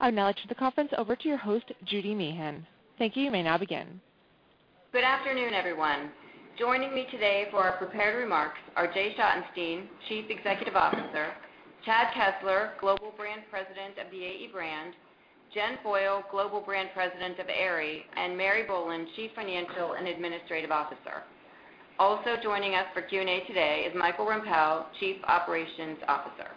I would now like to turn the conference over to your host, Judy Meehan. Thank you. You may now begin. Good afternoon, everyone. Joining me today for our prepared remarks are Jay Schottenstein, Chief Executive Officer, Chad Kessler, Global Brand President of the AE brand, Jen Foyle, Global Brand President of Aerie, and Mary Boland, Chief Financial and Administrative Officer. Also joining us for Q&A today is Michael Rempell, Chief Operations Officer.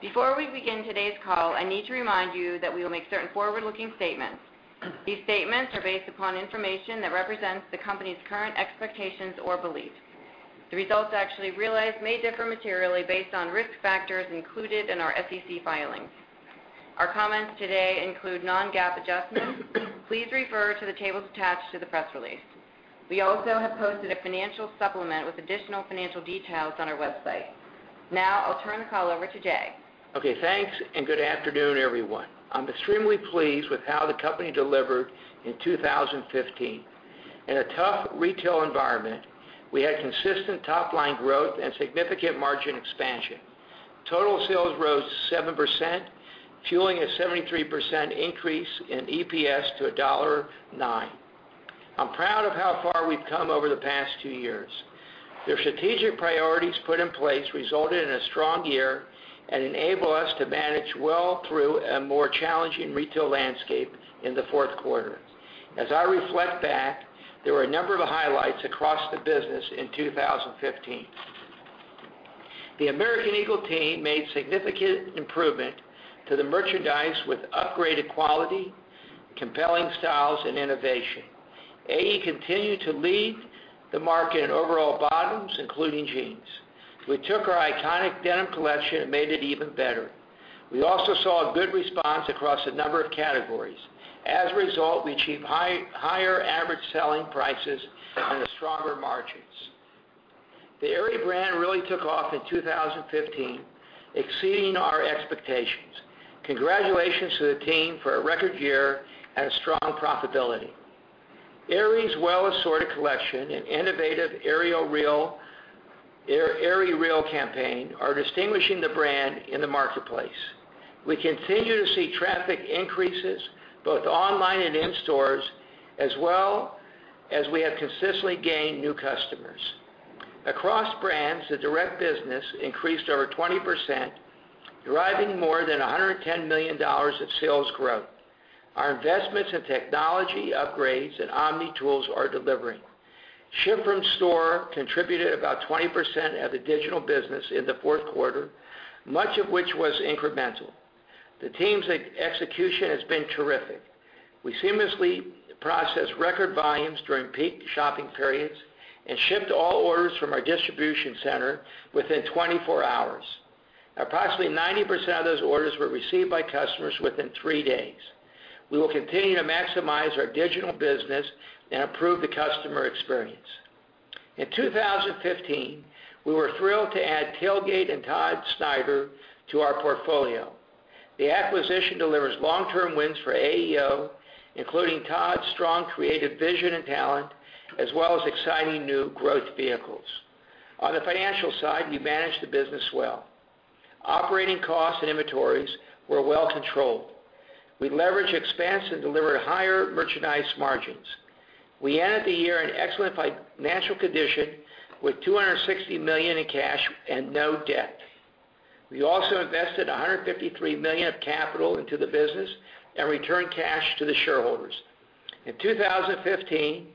Before we begin today's call, I need to remind you that we will make certain forward-looking statements. These statements are based upon information that represents the company's current expectations or beliefs. The results actually realized may differ materially based on risk factors included in our SEC filings. Our comments today include non-GAAP adjustments. Please refer to the tables attached to the press release. We also have posted a financial supplement with additional financial details on our website. I'll turn the call over to Jay. Thanks, and good afternoon, everyone. I'm extremely pleased with how the company delivered in 2015. In a tough retail environment, we had consistent top-line growth and significant margin expansion. Total sales rose 7%, fueling a 73% increase in EPS to $1.09. I'm proud of how far we've come over the past two years. The strategic priorities put in place resulted in a strong year and enable us to manage well through a more challenging retail landscape in the fourth quarter. As I reflect back, there were a number of highlights across the business in 2015. The American Eagle team made significant improvement to the merchandise with upgraded quality, compelling styles, and innovation. AE continued to lead the market in overall bottoms, including jeans. We took our iconic denim collection and made it even better. We also saw a good response across a number of categories. We achieved higher average selling prices and stronger margins. The Aerie brand really took off in 2015, exceeding our expectations. Congratulations to the team for a record year and a strong profitability. Aerie's well-assorted collection and innovative AerieREAL campaign are distinguishing the brand in the marketplace. We continue to see traffic increases both online and in stores, as well as we have consistently gained new customers. Across brands, the direct business increased over 20%, driving more than $110 million of sales growth. Our investments in technology upgrades and omni tools are delivering. Ship from store contributed about 20% of the digital business in the fourth quarter, much of which was incremental. The team's execution has been terrific. We seamlessly processed record volumes during peak shopping periods and shipped all orders from our distribution center within 24 hours. Approximately 90% of those orders were received by customers within three days. We will continue to maximize our digital business and improve the customer experience. In 2015, we were thrilled to add Tailgate and Todd Snyder to our portfolio. The acquisition delivers long-term wins for AEO, including Todd's strong creative vision and talent, as well as exciting new growth vehicles. On the financial side, we managed the business well. Operating costs and inventories were well controlled. We leveraged expense and delivered higher merchandise margins. We ended the year in excellent financial condition with $260 million in cash and no debt. We also invested $153 million of capital into the business and returned cash to the shareholders. In 2015,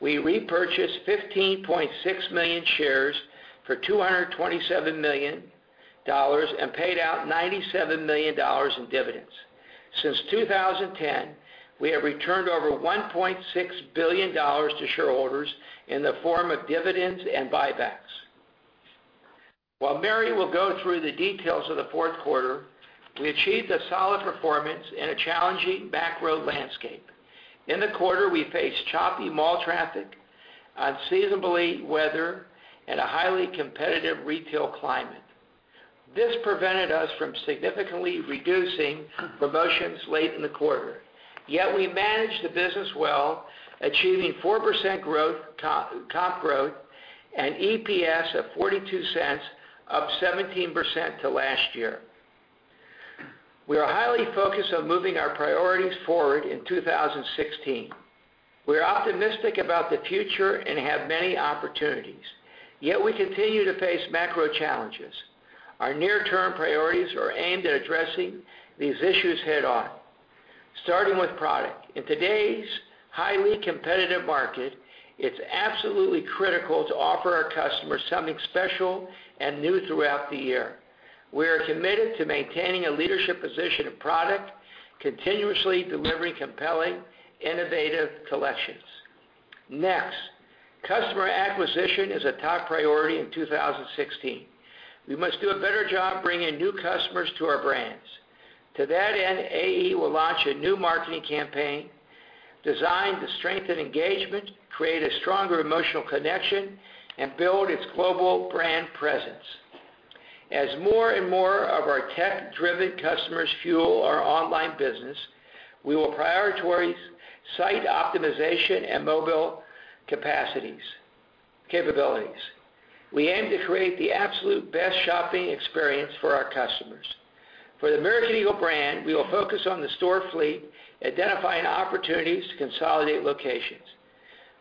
we repurchased 15.6 million shares for $227 million and paid out $97 million in dividends. Since 2010, we have returned over $1.6 billion to shareholders in the form of dividends and buybacks. While Mary will go through the details of the fourth quarter, we achieved a solid performance in a challenging macro landscape. In the quarter, we faced choppy mall traffic, unseasonable weather, and a highly competitive retail climate. This prevented us from significantly reducing promotions late in the quarter. Yet we managed the business well, achieving 4% comp growth and EPS of $0.42, up 17% to last year. We are highly focused on moving our priorities forward in 2016. We are optimistic about the future and have many opportunities. Yet we continue to face macro challenges. Our near-term priorities are aimed at addressing these issues head-on. Starting with product. In today's highly competitive market, it's absolutely critical to offer our customers something special and new throughout the year. We are committed to maintaining a leadership position in product, continuously delivering compelling, innovative collections. Next, customer acquisition is a top priority in 2016. We must do a better job bringing new customers to our brands. To that end, AE will launch a new marketing campaign designed to strengthen engagement, create a stronger emotional connection, and build its global brand presence. As more and more of our tech-driven customers fuel our online business, we will prioritize site optimization and mobile capabilities. We aim to create the absolute best shopping experience for our customers. For the American Eagle brand, we will focus on the store fleet, identifying opportunities to consolidate locations.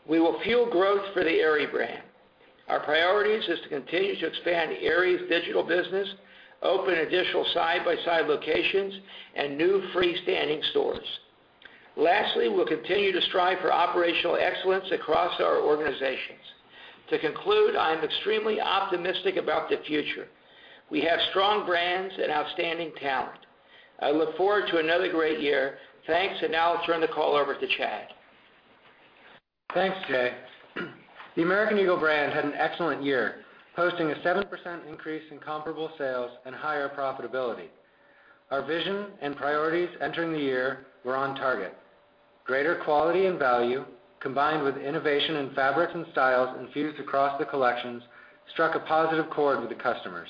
We will fuel growth for the Aerie brand. Our priorities is to continue to expand Aerie's digital business, open additional side-by-side locations, and new freestanding stores. Lastly we'll continue to strive for operational excellence across our organizations. To conclude, I am extremely optimistic about the future. We have strong brands and outstanding talent. I look forward to another great year. Thanks. Now I'll turn the call over to Chad. Thanks, Jay. The American Eagle brand had an excellent year, posting a 7% increase in comparable sales and higher profitability. Our vision and priorities entering the year were on target. Greater quality and value, combined with innovation in fabrics and styles infused across the collections, struck a positive chord with the customers.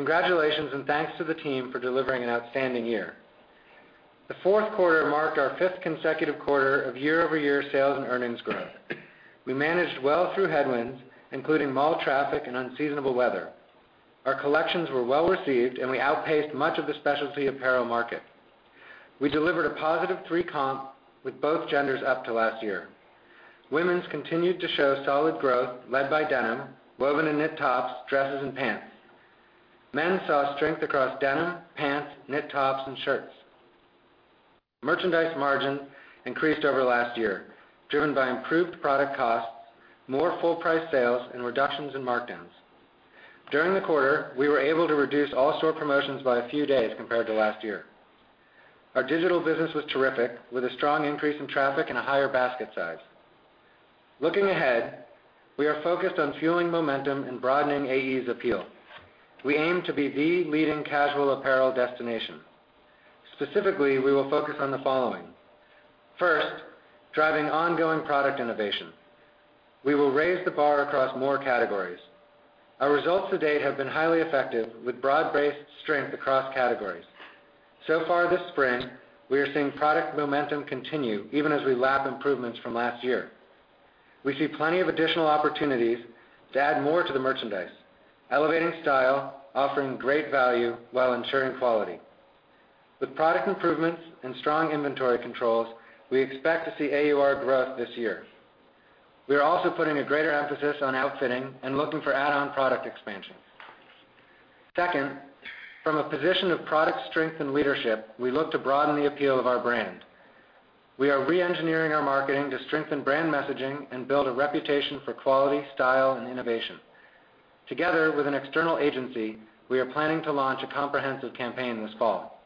Congratulations, and thanks to the team for delivering an outstanding year. The fourth quarter marked our fifth consecutive quarter of year-over-year sales and earnings growth. We managed well through headwinds, including mall traffic and unseasonable weather. Our collections were well-received, and we outpaced much of the specialty apparel market. We delivered a positive three comp with both genders up to last year. Women's continued to show solid growth led by denim, woven and knit tops, dresses, and pants. Men's saw strength across denim, pants, knit tops, and shirts. Merchandise margin increased over last year, driven by improved product costs, more full-price sales, and reductions in markdowns. During the quarter, we were able to reduce all store promotions by a few days compared to last year. Our digital business was terrific, with a strong increase in traffic and a higher basket size. Looking ahead, we are focused on fueling momentum and broadening AE's appeal. We aim to be the leading casual apparel destination. Specifically, we will focus on the following. First, driving ongoing product innovation. We will raise the bar across more categories. Our results to date have been highly effective, with broad-based strength across categories. So far this spring, we are seeing product momentum continue, even as we lap improvements from last year. We see plenty of additional opportunities to add more to the merchandise, elevating style, offering great value while ensuring quality. With product improvements and strong inventory controls, we expect to see AUR growth this year. We are also putting a greater emphasis on outfitting and looking for add-on product expansion. Second, from a position of product strength and leadership, we look to broaden the appeal of our brand. We are re-engineering our marketing to strengthen brand messaging and build a reputation for quality, style, and innovation. Together with an external agency, we are planning to launch a comprehensive campaign this fall.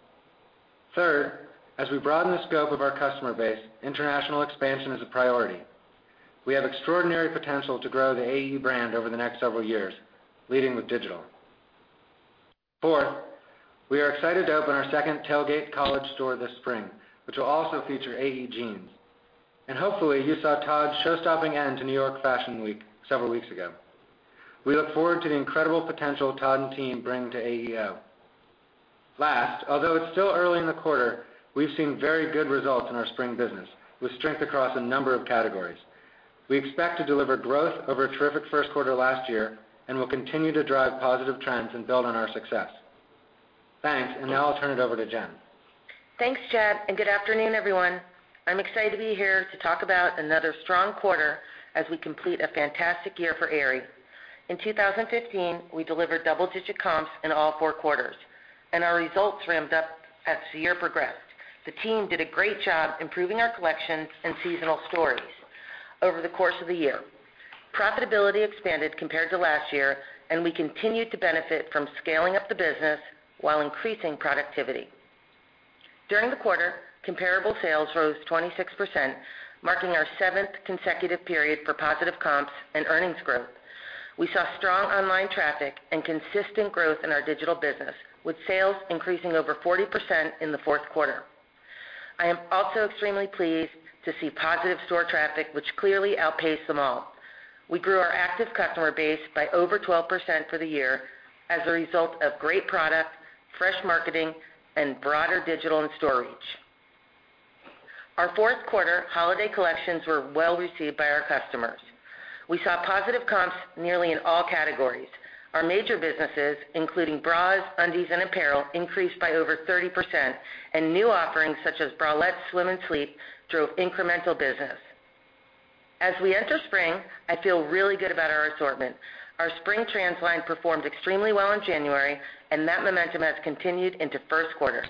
Third, as we broaden the scope of our customer base, international expansion is a priority. We have extraordinary potential to grow the AE brand over the next several years, leading with digital. Fourth, we are excited to open our second Tailgate college store this spring, which will also feature AE jeans. Hopefully, you saw Todd's show-stopping end to New York Fashion Week several weeks ago. We look forward to the incredible potential Todd and team bring to AEO. Last, although it's still early in the quarter, we've seen very good results in our spring business, with strength across a number of categories. We expect to deliver growth over a terrific first quarter last year and will continue to drive positive trends and build on our success. Thanks, and now I'll turn it over to Jen. Thanks, Chad, good afternoon, everyone. I'm excited to be here to talk about another strong quarter as we complete a fantastic year for Aerie. In 2015, we delivered double-digit comps in all four quarters. Our results ramped up as the year progressed. The team did a great job improving our collections and seasonal stories over the course of the year. Profitability expanded compared to last year. We continued to benefit from scaling up the business while increasing productivity. During the quarter, comparable sales rose 26%, marking our seventh consecutive period for positive comps and earnings growth. We saw strong online traffic and consistent growth in our digital business, with sales increasing over 40% in the fourth quarter. I am also extremely pleased to see positive store traffic, which clearly outpaced the mall. We grew our active customer base by over 12% for the year as a result of great product, fresh marketing, and broader digital and store reach. Our fourth-quarter holiday collections were well received by our customers. We saw positive comps nearly in all categories. Our major businesses, including bras, undies, and apparel, increased by over 30%. New offerings such as bralettes, swim, and sleep drove incremental business. As we enter spring, I feel really good about our assortment. Our spring trans line performed extremely well in January. That momentum has continued into first quarter.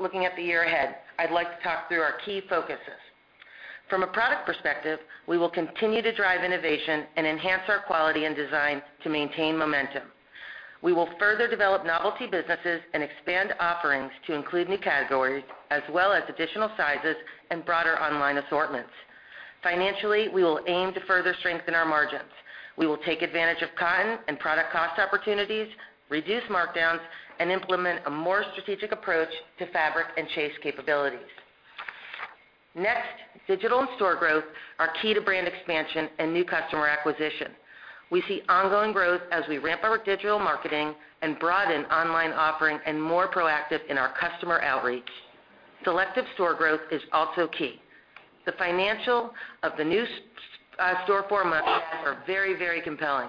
Looking at the year ahead, I'd like to talk through our key focuses. A product perspective, we will continue to drive innovation and enhance our quality and design to maintain momentum. We will further develop novelty businesses and expand offerings to include new categories as well as additional sizes and broader online assortments. Financially, we will aim to further strengthen our margins. We will take advantage of cotton and product cost opportunities, reduce markdowns, and implement a more strategic approach to fabric and chase capabilities. Digital and store growth are key to brand expansion and new customer acquisition. We see ongoing growth as we ramp our digital marketing and broaden online offering and more proactive in our customer outreach. Selective store growth is also key. The financial of the new store format are very compelling.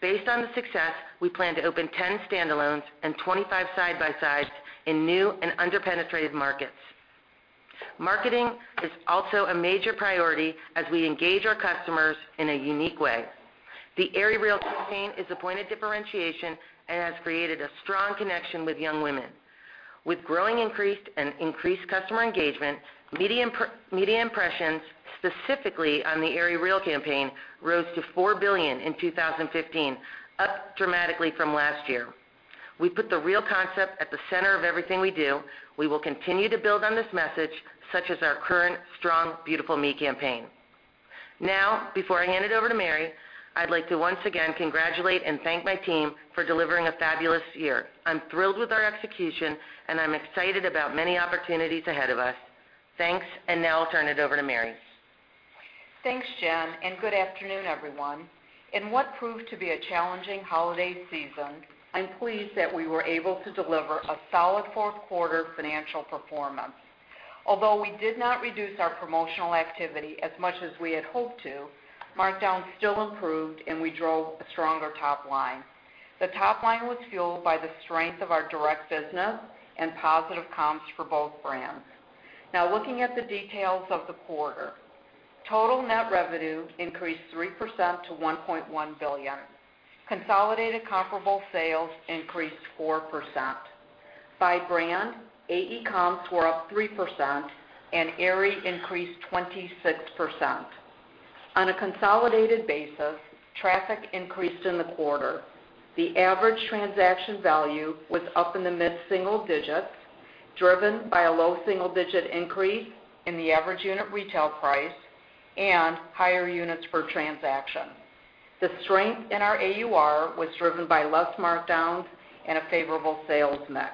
Based on the success, we plan to open 10 standalones and 25 side-by-sides in new and under-penetrated markets. Marketing is also a major priority as we engage our customers in a unique way. The AerieREAL campaign is a point of differentiation and has created a strong connection with young women. With growing increased customer engagement, media impressions, specifically on the AerieREAL campaign, rose to 4 billion in 2015, up dramatically from last year. We put the Real concept at the center of everything we do. We will continue to build on this message, such as our current Strong. Beautiful. Me. campaign. Before I hand it over to Mary, I'd like to once again congratulate and thank my team for delivering a fabulous year. I'm thrilled with our execution. I'm excited about many opportunities ahead of us. Thanks, now I'll turn it over to Mary. Thanks, Jen, and good afternoon, everyone. In what proved to be a challenging holiday season, I'm pleased that we were able to deliver a solid fourth quarter financial performance. Although we did not reduce our promotional activity as much as we had hoped to, markdowns still improved, and we drove a stronger top line. The top line was fueled by the strength of our direct business and positive comps for both brands. Looking at the details of the quarter. Total net revenue increased 3% to $1.1 billion. Consolidated comparable sales increased 4%. By brand, AE comps were up 3% and Aerie increased 26%. On a consolidated basis, traffic increased in the quarter. The average transaction value was up in the mid-single digits, driven by a low single-digit increase in the average unit retail price and higher units per transaction. The strength in our AUR was driven by less markdowns and a favorable sales mix.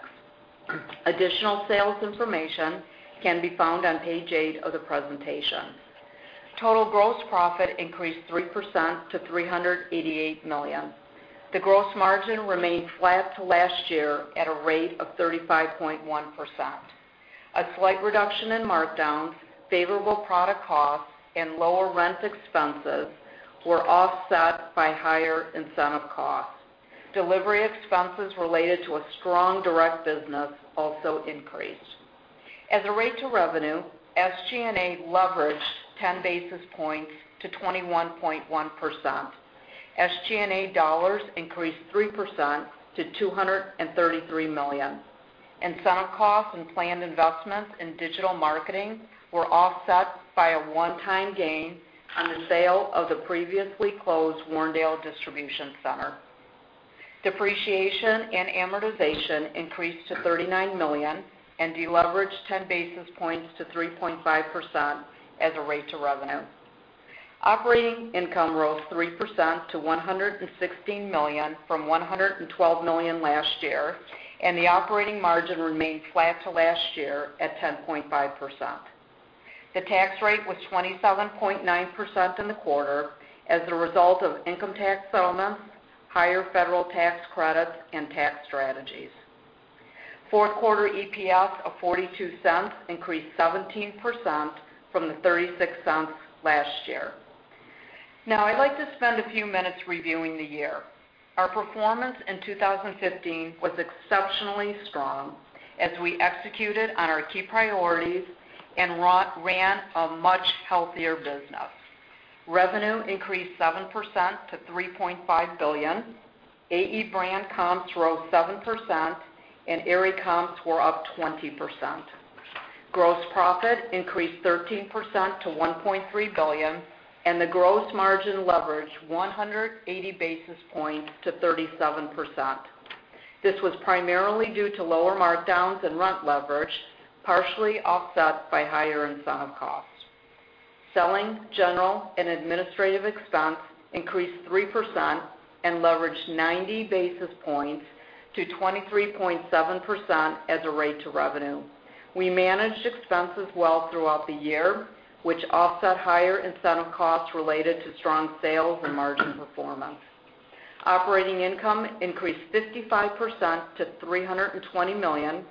Additional sales information can be found on page eight of the presentation. Total gross profit increased 3% to $388 million. The gross margin remained flat to last year at a rate of 35.1%. A slight reduction in markdowns, favorable product costs, and lower rent expenses were offset by higher incentive costs. Delivery expenses related to a strong direct business also increased. As a rate to revenue, SG&A leveraged 10 basis points to 21.1%. SG&A dollars increased 3% to $233 million. Incentive costs and planned investments in digital marketing were offset by a one-time gain on the sale of the previously closed Warrendale distribution center. Depreciation and amortization increased to $39 million and deleveraged 10 basis points to 3.5% as a rate to revenue. Operating income rose 3% to $116 million from $112 million last year. The operating margin remained flat to last year at 10.5%. The tax rate was 27.9% in the quarter as the result of income tax settlements, higher federal tax credits, and tax strategies. Fourth quarter EPS of $0.42 increased 17% from the $0.36 last year. I'd like to spend a few minutes reviewing the year. Our performance in 2015 was exceptionally strong as we executed on our key priorities and ran a much healthier business. Revenue increased 7% to $3.5 billion. AE brand comps rose 7%, and Aerie comps were up 20%. Gross profit increased 13% to $1.3 billion, and the gross margin leveraged 180 basis points to 37%. This was primarily due to lower markdowns and rent leverage, partially offset by higher incentive costs. Selling, general, and administrative expense increased 3% and leveraged 90 basis points to 23.7% as a rate to revenue. We managed expenses well throughout the year, which offset higher incentive costs related to strong sales and margin performance. Operating income increased 55% to $320 million.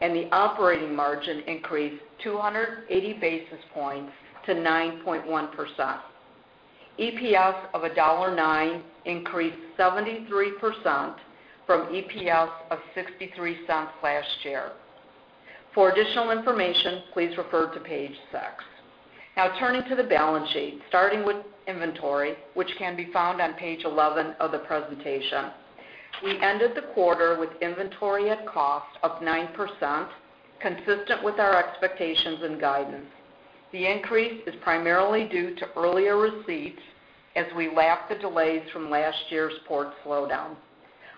The operating margin increased 280 basis points to 9.1%. EPS of $1.09 increased 73% from EPS of $0.63 last year. For additional information, please refer to page six. Turning to the balance sheet, starting with inventory, which can be found on page 11 of the presentation. We ended the quarter with inventory at cost of 9%, consistent with our expectations and guidance. The increase is primarily due to earlier receipts as we lap the delays from last year's port slowdown.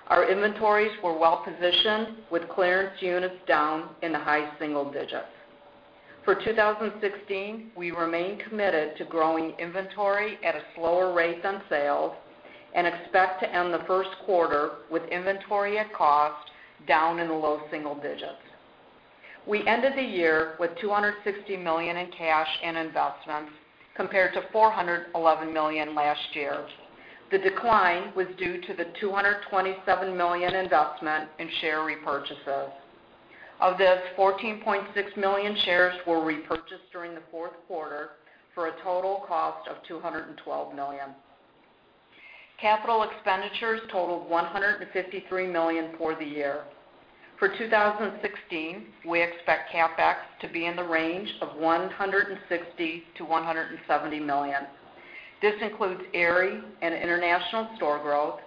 Our inventories were well positioned with clearance units down in the high single digits. For 2016, we remain committed to growing inventory at a slower rate than sales and expect to end the first quarter with inventory at cost down in the low single digits. We ended the year with $260 million in cash and investments, compared to $411 million last year. The decline was due to the $227 million investment in share repurchases. Of this, 14.6 million shares were repurchased during the fourth quarter for a total cost of $212 million. Capital expenditures totaled $153 million for the year. For 2016, we expect CapEx to be in the range of $160 million-$170 million. This includes Aerie and international store growth,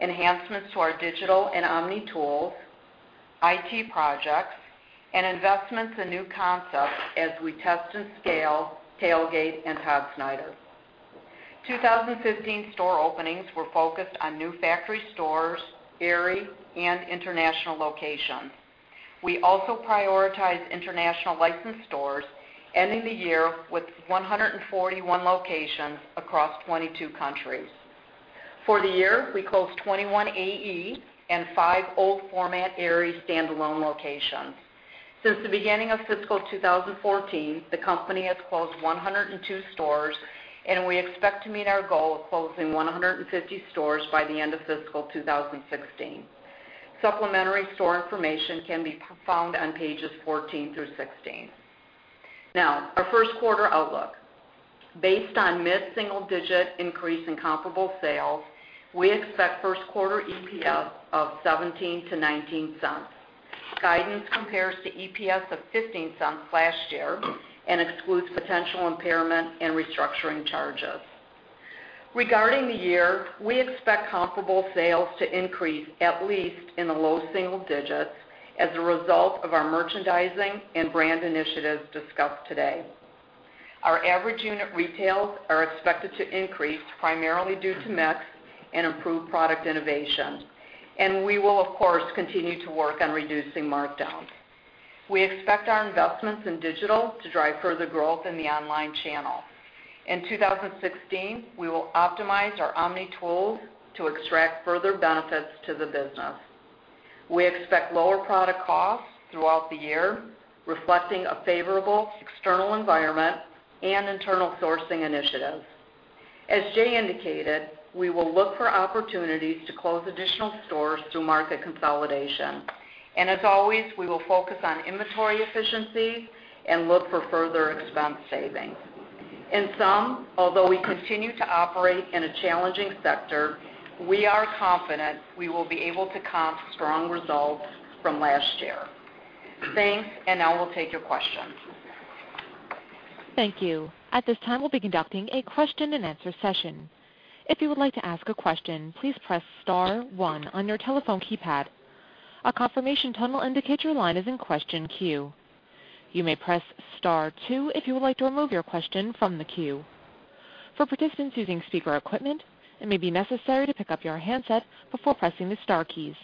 enhancements to our digital and omni tools, IT projects, and investments in new concepts as we test and scale Tailgate and Todd Snyder. 2015 store openings were focused on new factory stores, Aerie, and international locations. We also prioritized international licensed stores, ending the year with 141 locations across 22 countries. For the year, we closed 21 AE and five old format Aerie standalone locations. Since the beginning of fiscal 2014, the company has closed 102 stores, and we expect to meet our goal of closing 150 stores by the end of fiscal 2016. Supplementary store information can be found on pages 14 through 16. Our first quarter outlook. Based on mid-single-digit increase in comparable sales, we expect first quarter EPS of $0.17-$0.19. Guidance compares to EPS of $0.15 last year and excludes potential impairment and restructuring charges. Regarding the year, we expect comparable sales to increase at least in the low single digits as a result of our merchandising and brand initiatives discussed today. Our average unit retails are expected to increase, primarily due to mix and improved product innovation. We will, of course, continue to work on reducing markdowns. We expect our investments in digital to drive further growth in the online channel. In 2016, we will optimize our omni tools to extract further benefits to the business. We expect lower product costs throughout the year, reflecting a favorable external environment and internal sourcing initiatives. As Jay indicated, we will look for opportunities to close additional stores through market consolidation. As always, we will focus on inventory efficiency and look for further expense savings. In sum, although we continue to operate in a challenging sector, we are confident we will be able to comp strong results from last year. Thanks. Now we'll take your questions. Thank you. At this time, we'll be conducting a question-and-answer session. If you would like to ask a question, please press *1 on your telephone keypad. A confirmation tone will indicate your line is in question queue. You may press *2 if you would like to remove your question from the queue. For participants using speaker equipment, it may be necessary to pick up your handset before pressing the star keys.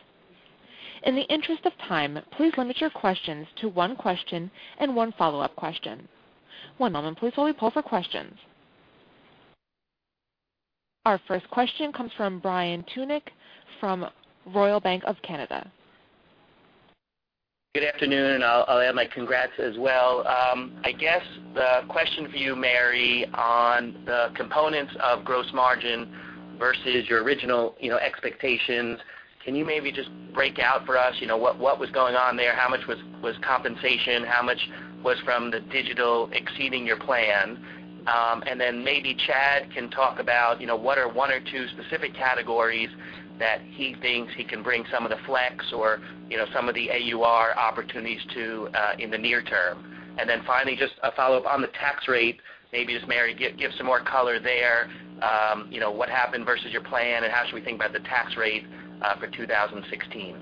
In the interest of time, please limit your questions to one question and one follow-up question. One moment, please, while we pull for questions. Our first question comes from Brian Tunick from Royal Bank of Canada. Good afternoon. I'll add my congrats as well. I guess the question for you, Mary, on the components of gross margin versus your original expectations, can you maybe just break out for us what was going on there? How much was compensation? How much was from the digital exceeding your plan? Then maybe Chad can talk about what are one or two specific categories that he thinks he can bring some of the Flex or some of the AUR opportunities to in the near term. Finally, just a follow-up on the tax rate. Maybe just Mary give some more color there. What happened versus your plan, and how should we think about the tax rate for 2016?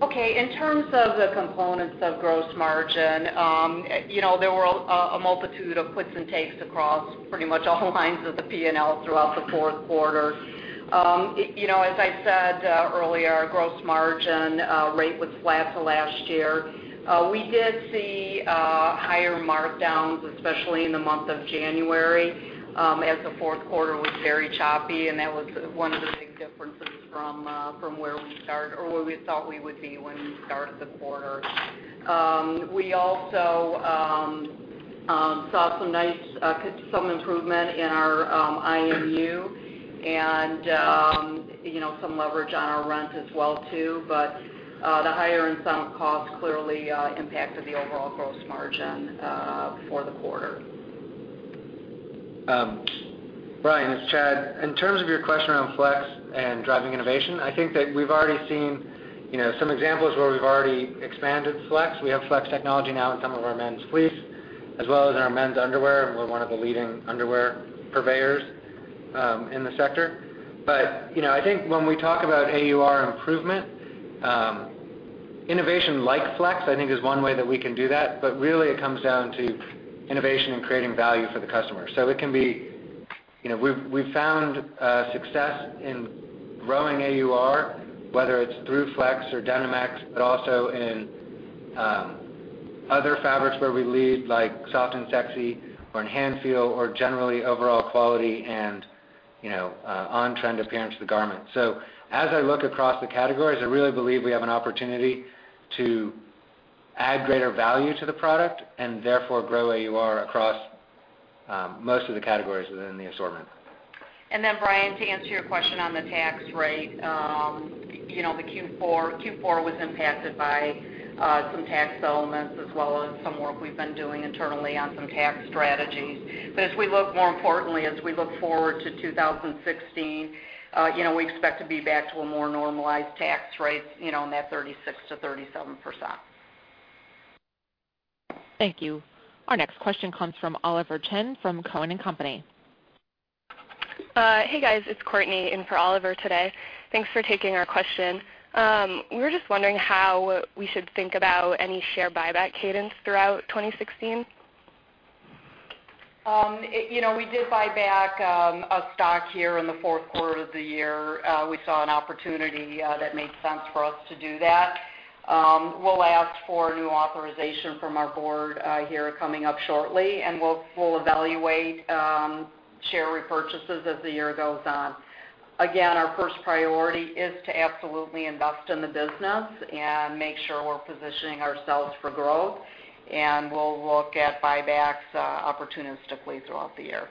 Okay. In terms of the components of gross margin, there were a multitude of puts and takes across pretty much all lines of the P&L throughout the fourth quarter. As I said earlier, our gross margin rate was flat to last year. We did see higher markdowns, especially in the month of January, as the fourth quarter was very choppy, and that was one of the big differences from where we started or where we thought we would be when we started the quarter. We also saw some improvement in our IMU and some leverage on our rent as well, too. The higher in some costs clearly impacted the overall gross margin for the quarter. Brian, it's Chad. In terms of your question around Flex and driving innovation, I think that we've already seen some examples where we've already expanded Flex. We have Flex technology now in some of our men's fleece as well as in our men's underwear. We're one of the leading underwear purveyors in the sector. I think when we talk about AUR improvement, innovation like Flex, I think, is one way that we can do that. Really, it comes down to innovation and creating value for the customer. We've found success in growing AUR, whether it's through Flex or Denim X, but also in other fabrics where we lead, like Soft & Sexy or Enhance Feel, or generally overall quality and on-trend appearance of the garment. As I look across the categories, I really believe we have an opportunity to add greater value to the product and therefore grow AUR across most of the categories within the assortment. Brian, to answer your question on the tax rate. The Q4 was impacted by some tax settlements as well as some work we've been doing internally on some tax strategies. More importantly, as we look forward to 2016, we expect to be back to a more normalized tax rate, in that 36%-37%. Thank you. Our next question comes from Oliver Chen from Cowen and Company. Hey, guys, it's Courtney in for Oliver today. Thanks for taking our question. We were just wondering how we should think about any share buyback cadence throughout 2016. We did buy back a stock here in the fourth quarter of the year. We saw an opportunity that made sense for us to do that. We'll ask for new authorization from our board here coming up shortly, we'll evaluate share repurchases as the year goes on. Again, our first priority is to absolutely invest in the business and make sure we're positioning ourselves for growth. We'll look at buybacks opportunistically throughout the year.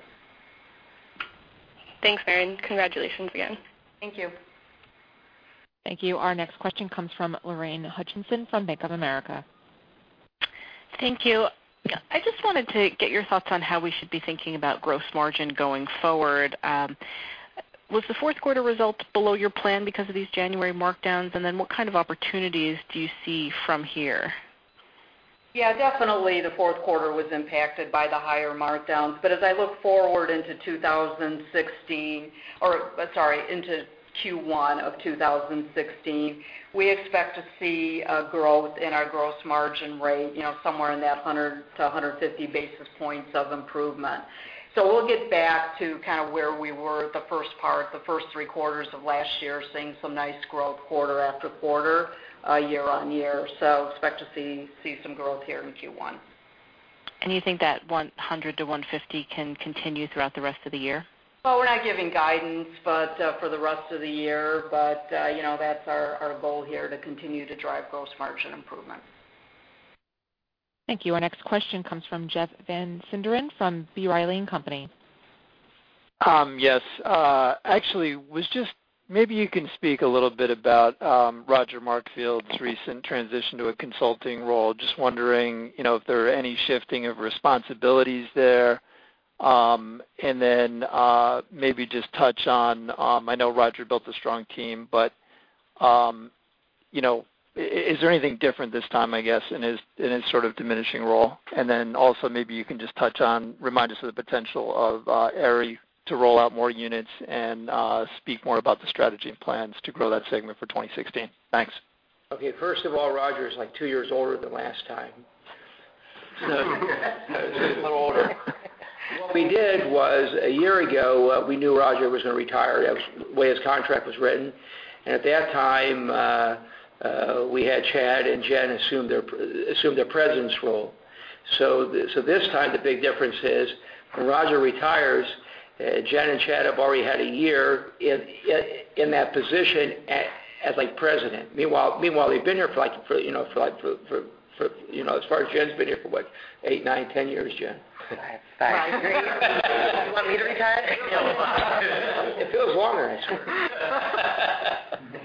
Thanks, Mary. Congratulations again. Thank you. Thank you. Our next question comes from Lorraine Hutchinson from Bank of America. Thank you. I just wanted to get your thoughts on how we should be thinking about gross margin going forward. Was the fourth quarter result below your plan because of these January markdowns? Then what kind of opportunities do you see from here? Definitely the fourth quarter was impacted by the higher markdowns. As I look forward into Q1 of 2016, we expect to see a growth in our gross margin rate, somewhere in that 100-150 basis points of improvement. We'll get back to where we were the first part, the first three quarters of last year, seeing some nice growth quarter after quarter, year-on-year. Expect to see some growth here in Q1. You think that 100-150 can continue throughout the rest of the year? Well, we're not giving guidance, but for the rest of the year. That's our goal here, to continue to drive gross margin improvement. Thank you. Our next question comes from Jeff Van Sinderen from B. Riley & Co.. Yes. Actually, maybe you can speak a little bit about Roger Markfield's recent transition to a consulting role. Just wondering if there are any shifting of responsibilities there, then maybe just touch on, I know Roger built a strong team, but is there anything different this time, I guess, in his sort of diminishing role? Also maybe you can just touch on, remind us of the potential of Aerie to roll out more units and speak more about the strategy and plans to grow that segment for 2016. Thanks. Okay. First of all, Roger is like two years older than last time. He's a little older. What we did was a year ago, we knew Roger was going to retire. That was the way his contract was written. At that time, we had Chad and Jen assume the president's role. This time, the big difference is when Roger retires, Jen and Chad have already had a year in that position as president. Meanwhile, they've been here. As far as Jen's been here for what, eight, nine, 10 years, Jen? Five. Do you want me to retire? It feels longer. Thank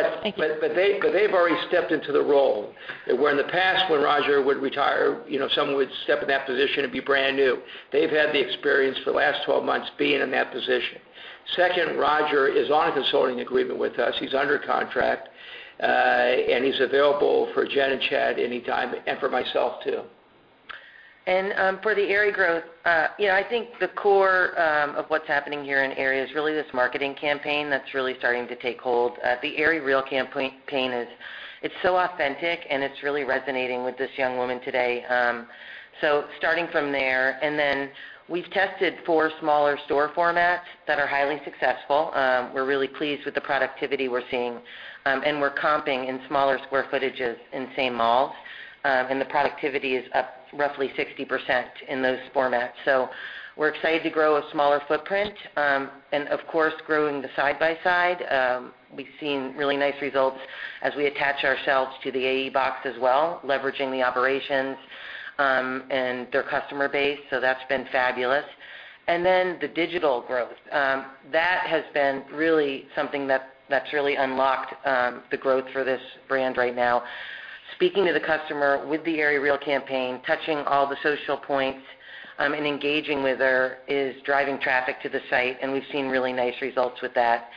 you. They've already stepped into the role, where in the past when Roger would retire, someone would step in that position and be brand new. They've had the experience for the last 12 months being in that position. Second, Roger is on a consulting agreement with us. He's under contract. He's available for Jen and Chad anytime, and for myself, too. For the Aerie growth, I think the core of what's happening here in Aerie is really this marketing campaign that's really starting to take hold. The AerieREAL campaign is so authentic, and it's really resonating with this young woman today. Starting from there, we've tested four smaller store formats that are highly successful. We're really pleased with the productivity we're seeing. We're comping in smaller square footages in the same malls. The productivity is up roughly 60% in those formats. We're excited to grow a smaller footprint. Of course, growing the side by side. We've seen really nice results as we attach ourselves to the AE box as well, leveraging the operations, and their customer base. That's been fabulous. The digital growth. That has been really something that's really unlocked the growth for this brand right now. Speaking to the customer with the AerieREAL campaign, touching all the social points, engaging with her is driving traffic to the site, we've seen really nice results with that.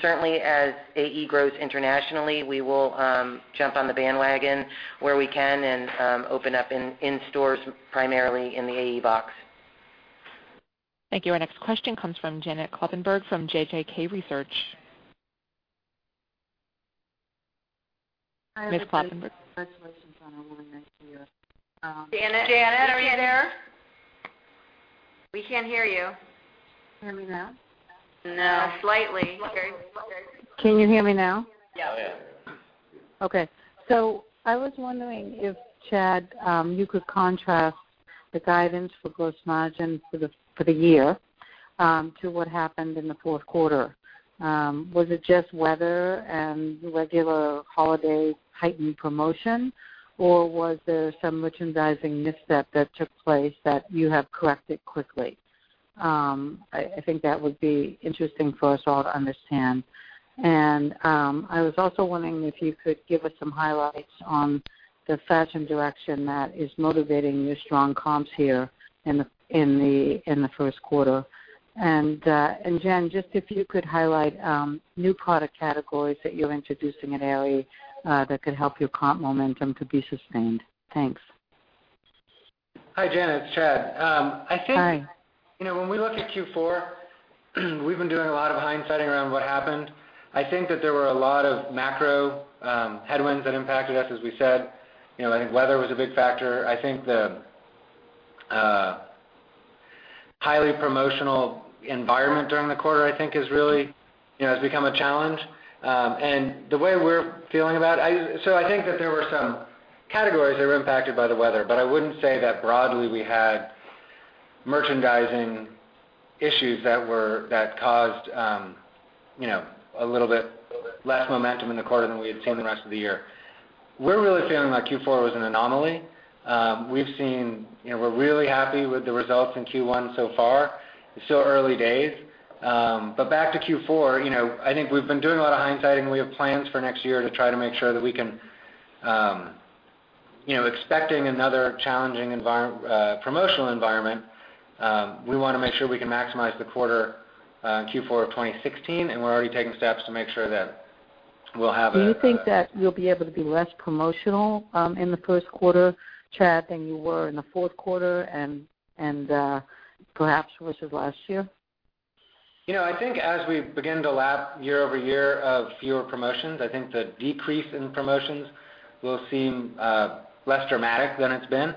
Certainly as AE grows internationally, we will jump on the bandwagon where we can and open up in stores primarily in the AE box. Thank you. Our next question comes from Janet Kloppenburg from JJK Research. Ms. Kloppenburg. Janet, are you there? We can't hear you. Can you hear me now? No. Slightly. Can you hear me now? Yeah. Okay. I was wondering if, Chad, you could contrast the guidance for gross margin for the year to what happened in the fourth quarter. Was it just weather and regular holiday heightened promotion, or was there some merchandising misstep that took place that you have corrected quickly? I think that would be interesting for us all to understand. I was also wondering if you could give us some highlights on the fashion direction that is motivating your strong comps here in the first quarter. Jen, just if you could highlight new product categories that you're introducing at Aerie that could help your comp momentum to be sustained. Thanks. Hi, Janet, it's Chad. Hi. When we look at Q4, we've been doing a lot of hindsight around what happened. I think that there were a lot of macro headwinds that impacted us, as we said. I think weather was a big factor. I think the highly promotional environment during the quarter, I think has become a challenge. I think that there were some categories that were impacted by the weather, but I wouldn't say that broadly we had merchandising issues that caused a little bit less momentum in the quarter than we had seen the rest of the year. We're really feeling like Q4 was an anomaly. We're really happy with the results in Q1 so far. It's still early days. Back to Q4, I think we've been doing a lot of hindsight. We have plans for next year to try to make sure that we can, expecting another challenging promotional environment. We want to make sure we can maximize the quarter Q4 of 2016, and we're already taking steps to make sure that. Do you think that you'll be able to be less promotional in the first quarter, Chad, than you were in the fourth quarter and perhaps versus last year? I think as we begin to lap year-over-year of fewer promotions, I think the decrease in promotions will seem less dramatic than it's been.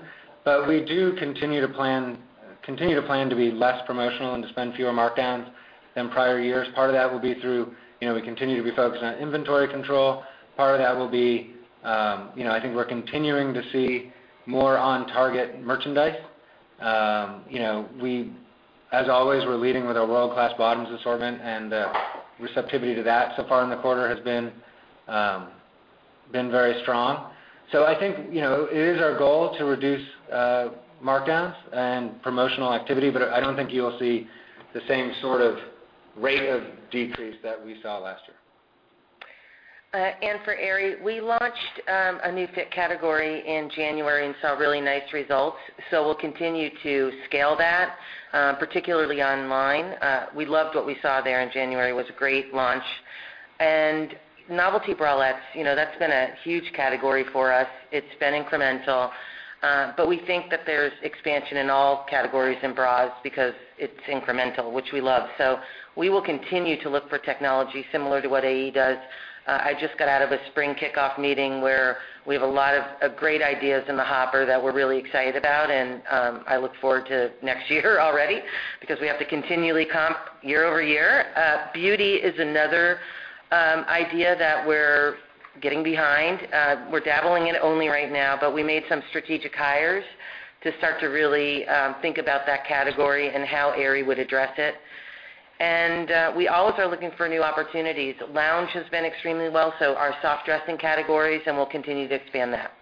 We do continue to plan to be less promotional and to spend fewer markdowns than prior years. Part of that will be, we continue to be focused on inventory control. Part of that will be, I think we're continuing to see more on-target merchandise. As always, we're leading with our world-class bottoms assortment, and the receptivity to that so far in the quarter has been very strong. I think, it is our goal to reduce markdowns and promotional activity, but I don't think you will see the same sort of rate of decrease that we saw last year. For Aerie, we launched a new fit category in January and saw really nice results. We'll continue to scale that, particularly online. We loved what we saw there in January. It was a great launch. Novelty bralettes, that's been a huge category for us. It's been incremental. We think that there's expansion in all categories in bras because it's incremental, which we love. We will continue to look for technology similar to what AE does. I just got out of a spring kickoff meeting where we have a lot of great ideas in the hopper that we're really excited about, and I look forward to next year already because we have to continually comp year-over-year. Beauty is another idea that we're getting behind. We're dabbling in it only right now, but we made some strategic hires to start to really think about that category and how Aerie would address it. We always are looking for new opportunities. Lounge has been extremely well, so our soft dressing categories. We'll continue to expand that.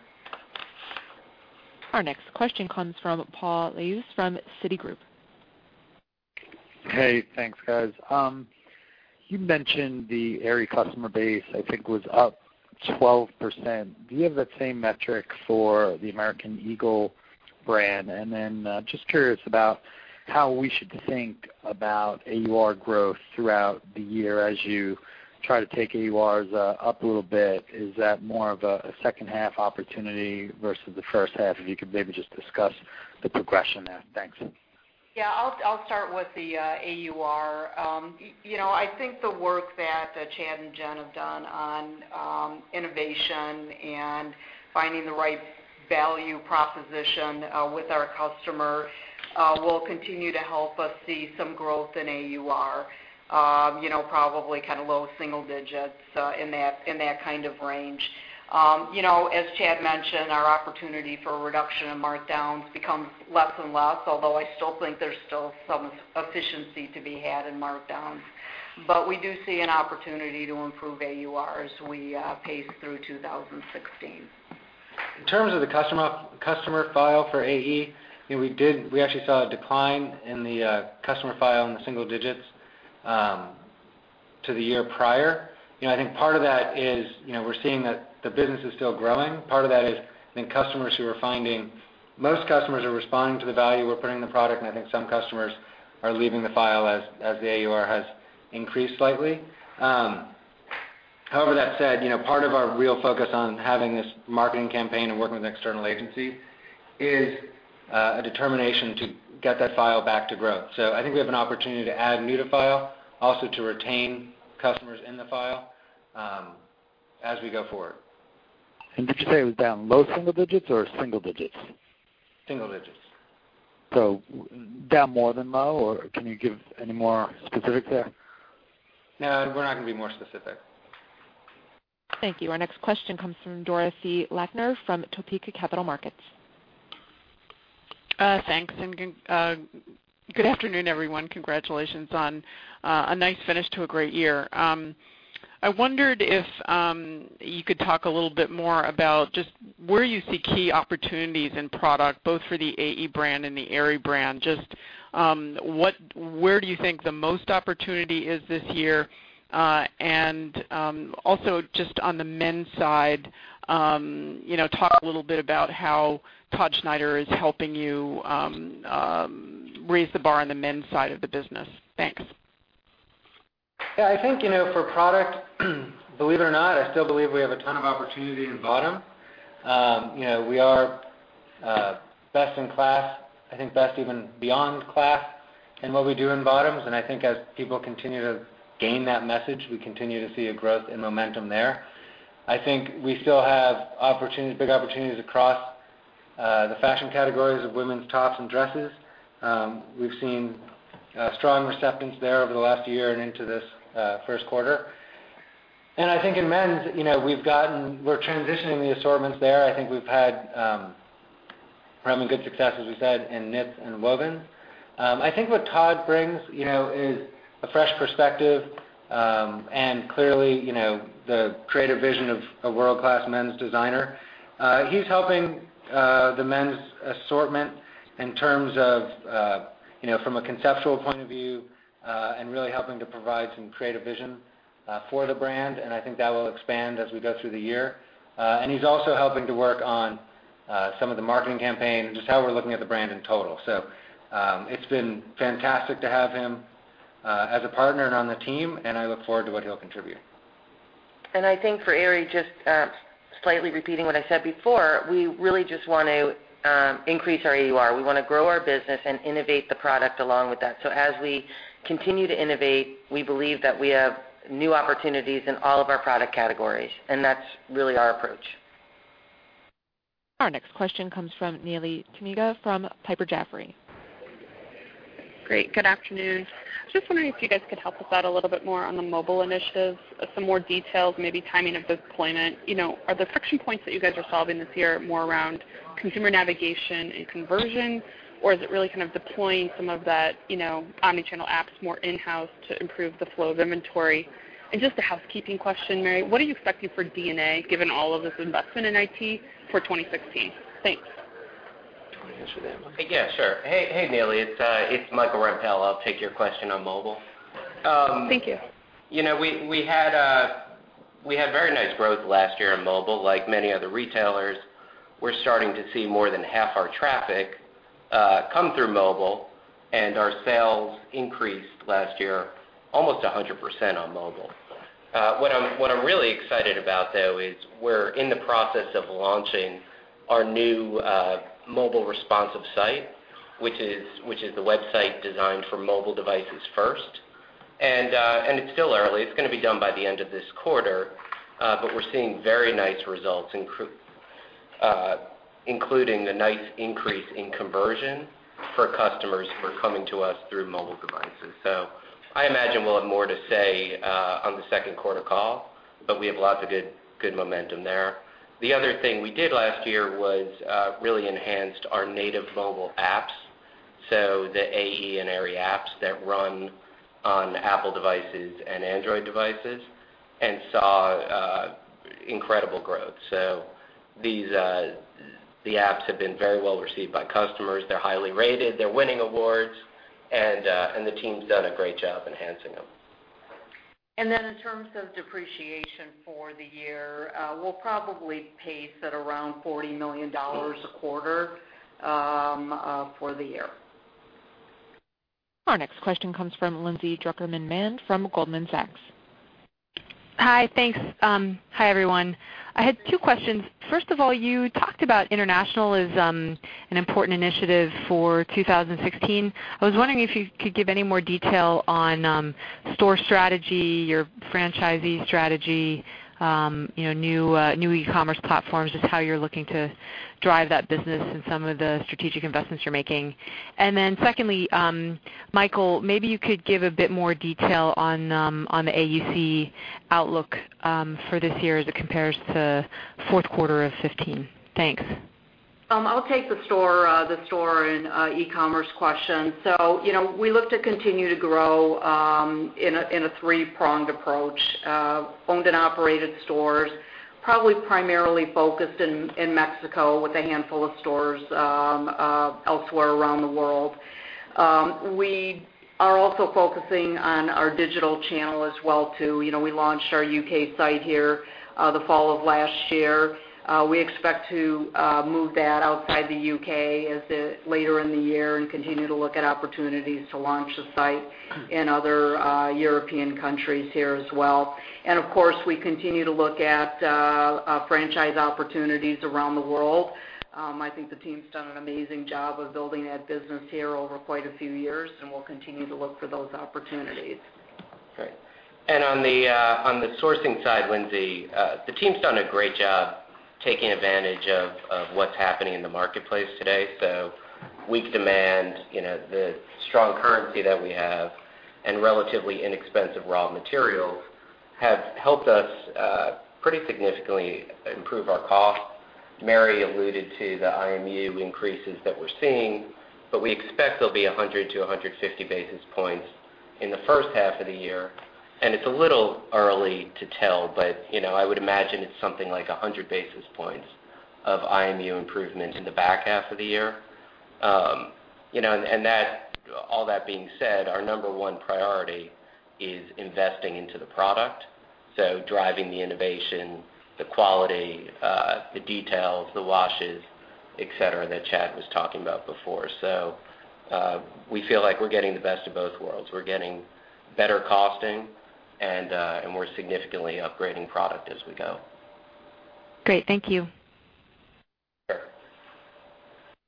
Our next question comes from Paul Lejuez from Citigroup. Hey, thanks, guys. You mentioned the Aerie customer base, I think, was up 12%. Do you have that same metric for the American Eagle brand? Then, just curious about how we should think about AUR growth throughout the year as you try to take AURs up a little bit. Is that more of a second half opportunity versus the first half? If you could maybe just discuss the progression there. Thanks. Yeah. I'll start with the AUR. I think the work that Chad and Jen have done on innovation and finding the right value proposition with our customer will continue to help us see some growth in AUR. Probably low single digits, in that kind of range. As Chad mentioned, our opportunity for reduction in markdowns becomes less and less, although I still think there's still some efficiency to be had in markdowns. We do see an opportunity to improve AUR as we pace through 2016. In terms of the customer file for AE, we actually saw a decline in the customer file in the single digits to the year prior. I think part of that is we're seeing that the business is still growing. Part of that is most customers are responding to the value we're putting in the product, and I think some customers are leaving the file as the AUR has increased slightly. However, that said, part of our real focus on having this marketing campaign and working with an external agency is a determination to get that file back to growth. I think we have an opportunity to add new to file, also to retain customers in the file as we go forward. Did you say it was down low single digits or single digits? Single digits. Down more than low, or can you give any more specifics there? No, we're not going to be more specific. Thank you. Our next question comes from Dorothy Lakner from Topeka Capital Markets. Thanks, and good afternoon, everyone. Congratulations on a nice finish to a great year. I wondered if you could talk a little bit more about just where you see key opportunities in product, both for the AE brand and the Aerie brand. Just where do you think the most opportunity is this year? And also just on the men's side, talk a little bit about how Todd Snyder is helping you raise the bar on the men's side of the business. Thanks. Yeah, I think for product, believe it or not, I still believe we have a ton of opportunity in bottom. We are best in class, I think best even beyond class in what we do in bottoms, and I think as people continue to gain that message, we continue to see a growth in momentum there. I think we still have big opportunities across the fashion categories of women's tops and dresses. We've seen strong acceptance there over the last year and into this first quarter. I think in men's, we're transitioning the assortments there. I think we've had probably some good success, as we said, in knits and woven. I think what Todd brings is a fresh perspective, and clearly, the creative vision of a world-class men's designer. He's helping the men's assortment in terms of from a conceptual point of view, and really helping to provide some creative vision for the brand, and I think that will expand as we go through the year. He's also helping to work on some of the marketing campaigns, just how we're looking at the brand in total. It's been fantastic to have him as a partner and on the team, and I look forward to what he'll contribute. I think for Aerie, just slightly repeating what I said before, we really just want to increase our AUR. We want to grow our business and innovate the product along with that. As we continue to innovate, we believe that we have new opportunities in all of our product categories, and that's really our approach. Our next question comes from Neely Tamminga from Piper Jaffray. Great. Good afternoon. Just wondering if you guys could help us out a little bit more on the mobile initiatives, some more details, maybe timing of deployment. Are the friction points that you guys are solving this year more around consumer navigation and conversion, or is it really kind of deploying some of that omni-channel apps more in-house to improve the flow of inventory? Just a housekeeping question, Mary, what are you expecting for D&A, given all of this investment in IT for 2016? Thanks. Do you want to answer that, Michael? Yeah, sure. Hey, Neely Tamminga, it's Michael Rempell. I'll take your question on mobile. Thank you. We had very nice growth last year in mobile. Like many other retailers, we're starting to see more than half our traffic come through mobile, and our sales increased last year almost 100% on mobile. What I'm really excited about though is we're in the process of launching our new mobile responsive site, which is the website designed for mobile devices first. It's still early. It's going to be done by the end of this quarter. We're seeing very nice results, including a nice increase in conversion for customers who are coming to us through mobile devices. I imagine we'll have more to say on the second quarter call, but we have lots of good momentum there. The other thing we did last year was really enhanced our native mobile apps, so the AE and Aerie apps that run on Apple devices and Android devices, and saw incredible growth. The apps have been very well received by customers. They're highly rated, they're winning awards, and the team's done a great job enhancing them. In terms of depreciation for the year, we'll probably pace at around $40 million a quarter for the year. Our next question comes from Lindsay Drucker Mann from Goldman Sachs. Hi. Thanks. Hi, everyone. I had two questions. First of all, you talked about international as an important initiative for 2016. I was wondering if you could give any more detail on store strategy, your franchisee strategy, new e-commerce platforms, just how you're looking to drive that business and some of the strategic investments you're making. Secondly, Michael, maybe you could give a bit more detail on the AUC outlook for this year as it compares to fourth quarter of 2015. Thanks. I'll take the store and e-commerce question. We look to continue to grow in a three-pronged approach. Owned and operated stores, probably primarily focused in Mexico with a handful of stores elsewhere around the world. We are also focusing on our digital channel as well, too. We launched our U.K. site here the fall of last year. We expect to move that outside the U.K. later in the year and continue to look at opportunities to launch a site in other European countries here as well. Of course, we continue to look at franchise opportunities around the world. I think the team's done an amazing job of building that business here over quite a few years, and we'll continue to look for those opportunities. Great. On the sourcing side, Lindsay, the team's done a great job taking advantage of what's happening in the marketplace today. Weak demand, the strong currency that we have Relatively inexpensive raw materials have helped us pretty significantly improve our cost. Mary alluded to the IMU increases that we're seeing, but we expect there'll be 100 to 150 basis points in the first half of the year. It's a little early to tell, but I would imagine it's something like 100 basis points of IMU improvement in the back half of the year. All that being said, our number one priority is investing into the product. Driving the innovation, the quality, the details, the washes, et cetera, that Chad was talking about before. We feel like we're getting the best of both worlds. We're getting better costing and we're significantly upgrading product as we go. Great. Thank you. Sure.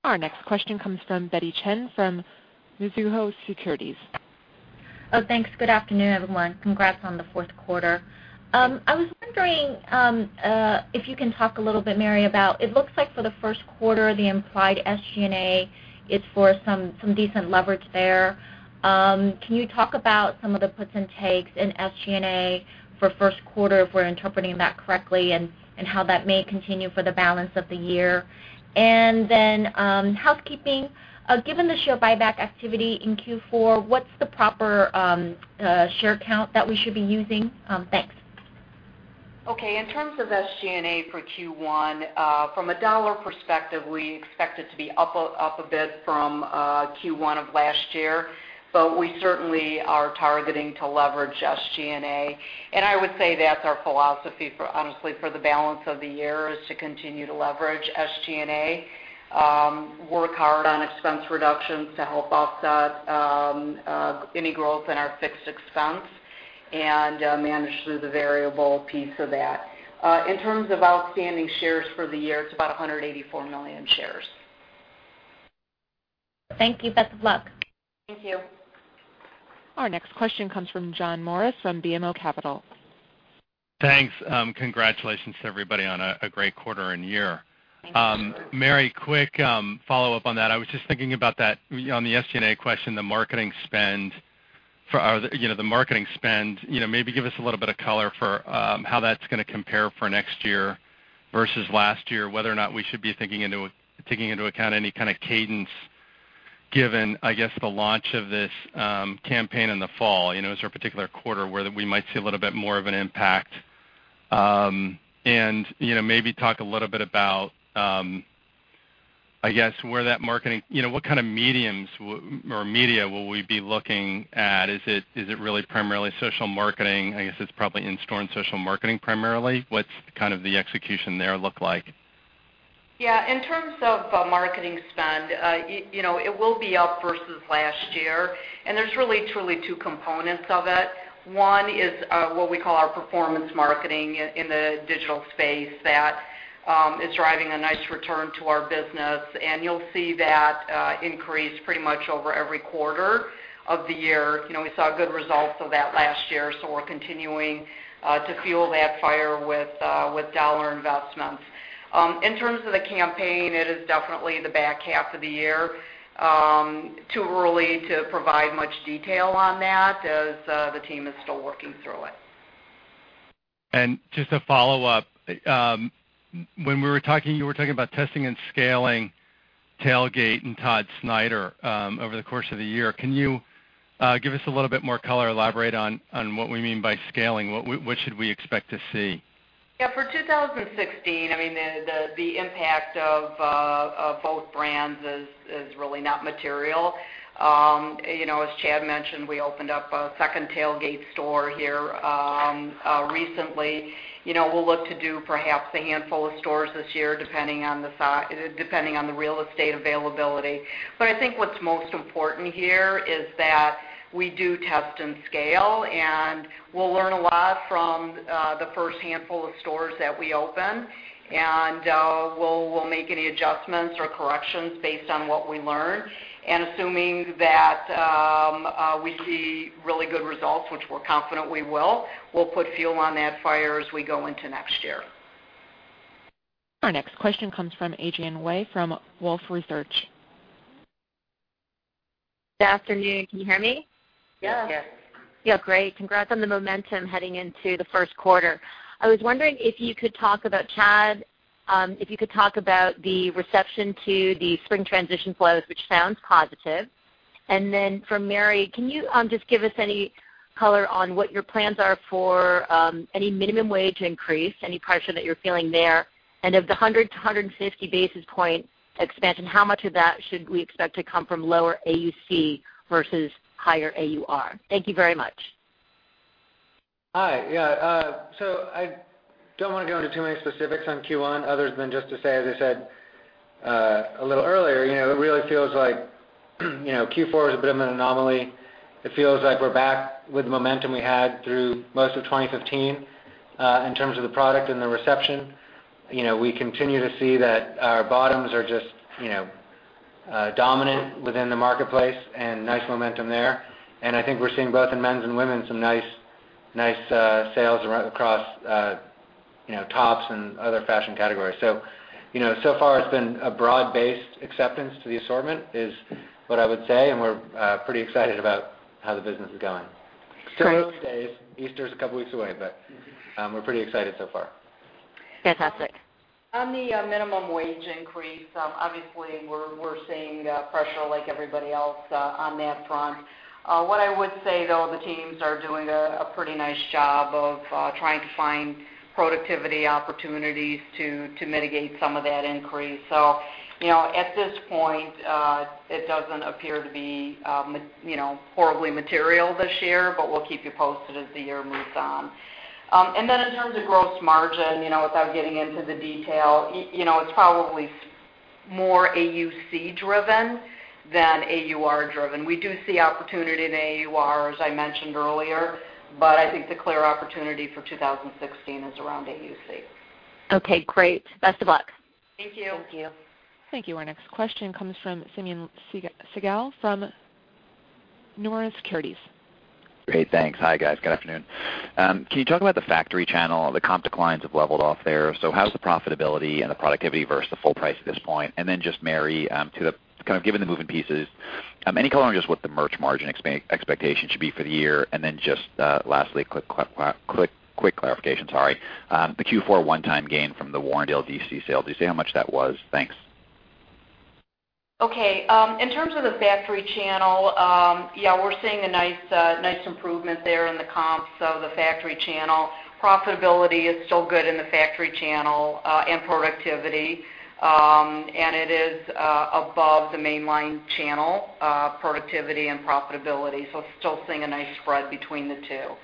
Our next question comes from Betty Chen from Mizuho Securities. Thanks. Good afternoon, everyone. Congrats on the fourth quarter. I was wondering if you can talk a little bit, Mary, about it looks like for the first quarter, the implied SG&A is for some decent leverage there. Can you talk about some of the puts and takes in SG&A for first quarter, if we're interpreting that correctly, and how that may continue for the balance of the year? Then, housekeeping. Given the share buyback activity in Q4, what's the proper share count that we should be using? Thanks. Okay. In terms of SG&A for Q1, from a dollar perspective, we expect it to be up a bit from Q1 of last year. We certainly are targeting to leverage SG&A. I would say that's our philosophy, honestly, for the balance of the year is to continue to leverage SG&A. Work hard on expense reductions to help offset any growth in our fixed expense and manage through the variable piece of that. In terms of outstanding shares for the year, it's about 184 million shares. Thank you. Best of luck. Thank you. Our next question comes from John Morris from BMO Capital. Thanks. Congratulations to everybody on a great quarter and year. Thanks. Mary, quick follow-up on that. I was just thinking about that on the SG&A question, the marketing spend. Maybe give us a little bit of color for how that's going to compare for next year versus last year, whether or not we should be taking into account any kind of cadence given, I guess, the launch of this campaign in the fall. Is there a particular quarter where we might see a little bit more of an impact? Maybe talk a little bit about what kind of mediums or media will we be looking at. Is it really primarily social marketing? I guess it's probably in-store and social marketing primarily. What's the execution there look like? Yeah. In terms of marketing spend, it will be up versus last year. There's really truly two components of it. One is what we call our performance marketing in the digital space that is driving a nice return to our business. You'll see that increase pretty much over every quarter of the year. We saw good results of that last year. We're continuing to fuel that fire with dollar investments. In terms of the campaign, it is definitely the back half of the year. Too early to provide much detail on that as the team is still working through it. Just a follow-up. When you were talking about testing and scaling Tailgate and Todd Snyder over the course of the year, can you give us a little bit more color, elaborate on what we mean by scaling. What should we expect to see? Yeah. For 2016, the impact of both brands is really not material. As Chad mentioned, we opened up a second Tailgate store here recently. We'll look to do perhaps a handful of stores this year, depending on the real estate availability. I think what's most important here is that we do test and scale, and we'll learn a lot from the first handful of stores that we open. We'll make any adjustments or corrections based on what we learn. Assuming that we see really good results, which we're confident we will, we'll put fuel on that fire as we go into next year. Our next question comes from Adrienne Yih from Wolfe Research. Good afternoon. Can you hear me? Yes. Yeah, great. Congrats on the momentum heading into the first quarter. I was wondering if you could talk about, Chad, the reception to the spring transition flows, which sounds positive. Then for Mary, can you just give us any color on what your plans are for any minimum wage increase, any pressure that you're feeling there? Of the 100 to 150 basis point expansion, how much of that should we expect to come from lower AUC versus higher AUR? Thank you very much. Hi. Yeah. I don't want to go into too many specifics on Q1 other than just to say, as I said a little earlier, it really feels like Q4 is a bit of an anomaly. It feels like we're back with the momentum we had through most of 2015, in terms of the product and the reception. We continue to see that our bottoms are just dominant within the marketplace and nice momentum there. I think we're seeing both in men's and women's some nice sales right across You know, tops and other fashion categories. So far it's been a broad-based acceptance to the assortment, is what I would say, and we're pretty excited about how the business is going. Great. Still early days. Easter's a couple of weeks away, we're pretty excited so far. Fantastic. On the minimum wage increase, obviously we're seeing pressure like everybody else on that front. What I would say, though, the teams are doing a pretty nice job of trying to find productivity opportunities to mitigate some of that increase. At this point, it doesn't appear to be horribly material this year, but we'll keep you posted as the year moves on. In terms of gross margin, without getting into the detail, it's probably more AUC driven than AUR driven. We do see opportunity in AUR, as I mentioned earlier, but I think the clear opportunity for 2016 is around AUC. Okay, great. Best of luck. Thank you. Thank you. Thank you. Our next question comes from Simeon Siegel from Nomura Securities. Great. Thanks. Hi, guys. Good afternoon. Can you talk about the factory channel? The comp declines have leveled off there. How's the profitability and the productivity versus the full price at this point? Then just, Mary, kind of given the moving pieces, any color on just what the merch margin expectation should be for the year? Then just lastly, quick clarification, sorry. The Q4 one-time gain from the Warrendale DC sale. Did you say how much that was? Thanks. Okay. In terms of the factory channel, yeah, we're seeing a nice improvement there in the comps of the factory channel. Profitability is still good in the factory channel, and productivity. It is above the mainline channel, productivity and profitability, still seeing a nice spread between the two.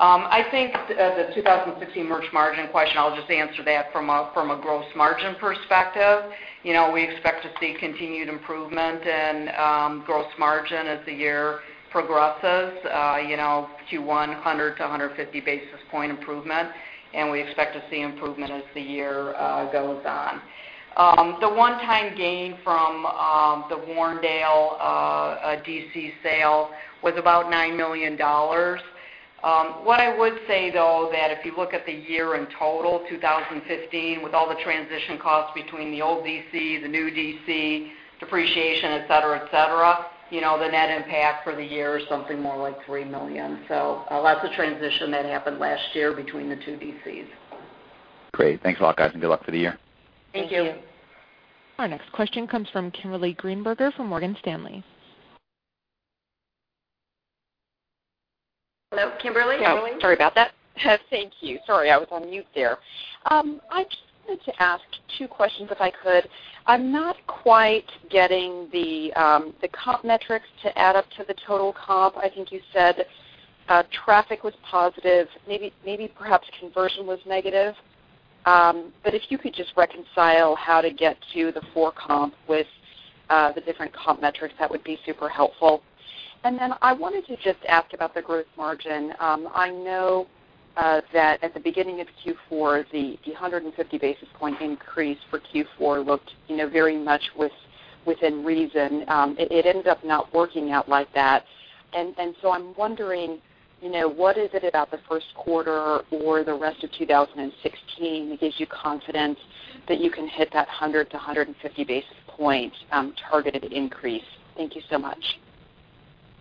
I think the 2016 merch margin question, I'll just answer that from a gross margin perspective. We expect to see continued improvement in gross margin as the year progresses. Q1, 100-150 basis point improvement, we expect to see improvement as the year goes on. The one-time gain from the Warrendale DC sale was about $9 million. What I would say, though, that if you look at the year in total, 2015, with all the transition costs between the old DC, the new DC, depreciation, et cetera, the net impact for the year is something more like three million. Lots of transition that happened last year between the two DCs. Great. Thanks a lot, guys, good luck for the year. Thank you. Thank you. Our next question comes from Kimberly Greenberger from Morgan Stanley. Hello, Kimberly? Kimberly? Sorry about that. Thank you. Sorry, I was on mute there. I just wanted to ask two questions, if I could. I'm not quite getting the comp metrics to add up to the total comp. I think you said traffic was positive. Maybe perhaps conversion was negative. If you could just reconcile how to get to the four comp with the different comp metrics, that would be super helpful. I wanted to just ask about the gross margin. I know that at the beginning of Q4, the 150 basis point increase for Q4 looked very much within reason. It ended up not working out like that. I'm wondering, what is it about the first quarter or the rest of 2016 that gives you confidence that you can hit that 100 to 150 basis point targeted increase? Thank you so much.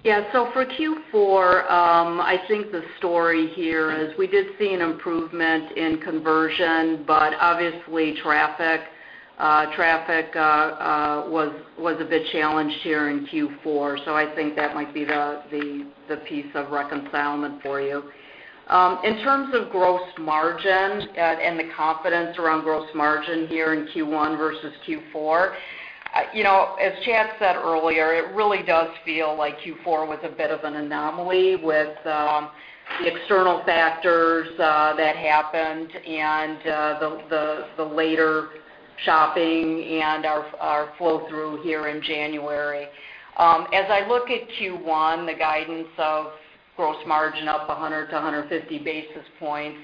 Yeah. For Q4, I think the story here is we did see an improvement in conversion, traffic was a bit challenged here in Q4. I think that might be the piece of reconcilement for you. In terms of gross margin and the confidence around gross margin here in Q1 versus Q4, as Chad Kessler said earlier, it really does feel like Q4 was a bit of an anomaly with the external factors that happened and the later shopping and our flow-through here in January. As I look at Q1, the guidance of gross margin up 100 to 150 basis points,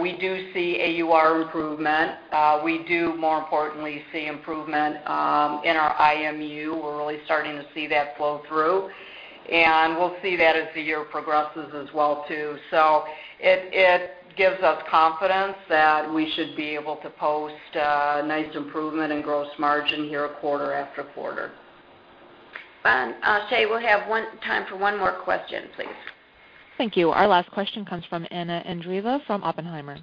we do see AUR improvement. We do, more importantly, see improvement in our IMU. We're really starting to see that flow through, and we'll see that as the year progresses as well, too. It gives us confidence that we should be able to post a nice improvement in gross margin here quarter after quarter. Ben, I'll say we have time for one more question, please. Thank you. Our last question comes from Anna Andreeva from Oppenheimer.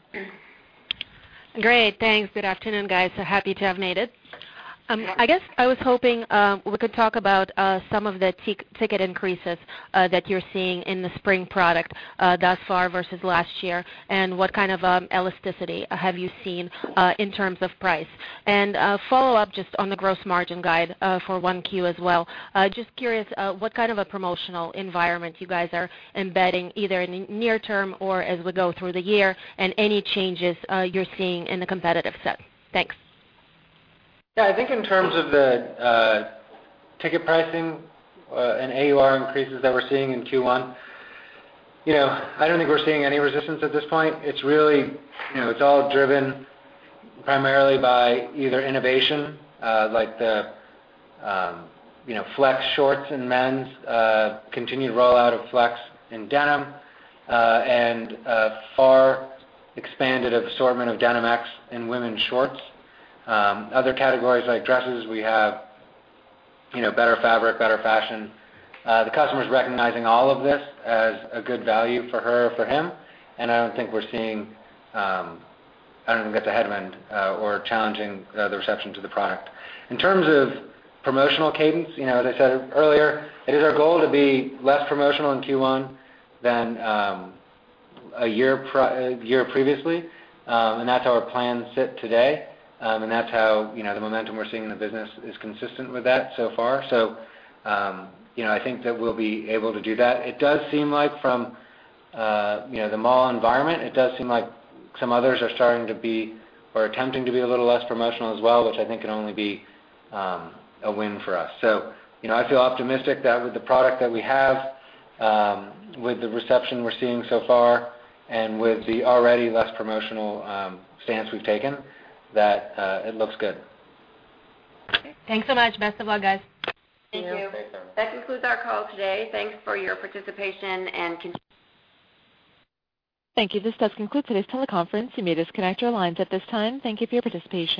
Great. Thanks. Good afternoon, guys. Happy to have made it. I guess I was hoping we could talk about some of the ticket increases that you're seeing in the spring product thus far versus last year. What kind of elasticity have you seen in terms of price? A follow-up just on the gross margin guide for 1Q as well. Just curious what kind of a promotional environment you guys are embedding, either in near term or as we go through the year, and any changes you're seeing in the competitive set. Thanks. Yeah, I think in terms of the ticket pricing and AUR increases that we're seeing in Q1, I don't think we're seeing any resistance at this point. It's all driven primarily by either innovation, like the Flex shorts in men's, continued rollout of Flex in denim, and far expanded assortment of Denim X in women's shorts. Other categories like dresses, we have better fabric, better fashion. The customer's recognizing all of this as a good value for her or for him, and I don't think we've got the headwind or challenging the reception to the product. In terms of promotional cadence, as I said earlier, it is our goal to be less promotional in Q1 than a year previously. That's how our plans sit today, and the momentum we're seeing in the business is consistent with that so far. I think that we'll be able to do that. It does seem like from the mall environment, it does seem like some others are starting to be, or attempting to be, a little less promotional as well, which I think can only be a win for us. I feel optimistic that with the product that we have, with the reception we're seeing so far, and with the already less promotional stance we've taken, that it looks good. Okay. Thanks so much. Best of luck, guys. Thank you. Thank you. That concludes our call today. Thanks for your participation. Thank you. This does conclude today's teleconference. You may disconnect your lines at this time. Thank you for your participation.